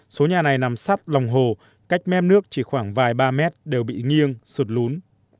số nhà này nằm sắt lòng hồ cách mép nước chỉ khoảng vài ba mét đều bị nghiêng sụt lún